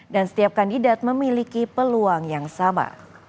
dan setiap kandidat memiliki peluang yang sama